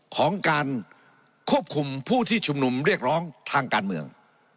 ของการควบคุมผู้ที่ชุมนุมเรียกร้องทางการเมือง